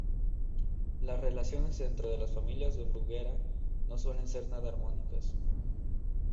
Las relaciones dentro de las familias de Bruguera no suelen ser nada armónicas.